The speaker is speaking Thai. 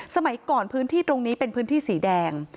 สมัยก่อนพื้นที่ตรงนี้เป็นพื้นที่สีแดง